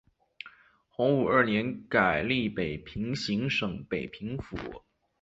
洪武二年改隶北平行省北平府。